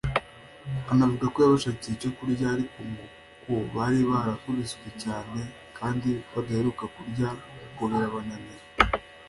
Anavuga ko yabashakiye icyo kurya ariko ngo kuko bari barakubiswe cyane kandi badaheruka kurya ngo birabananira